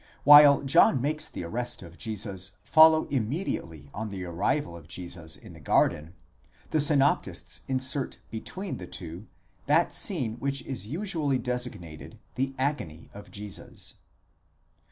While John makes the arrest of Jesus follow immediately on the arrival of Jesus in the garden, the synoptists insert between the two that scene which is usually designated the agony of Jesus.